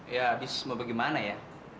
ya abis mau bagaimana ya